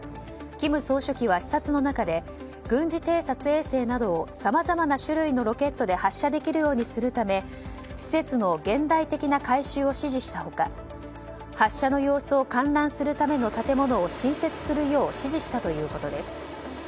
金総書記は視察の中で軍事偵察衛星などさまざまな種類のロケットで発射できるようにするため施設の現代的な改修を指示した他発射の様子を観覧するための建物を新設するよう指示したということです。